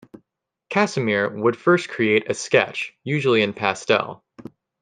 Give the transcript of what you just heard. Kasimir would first create a sketch-usually in pastel.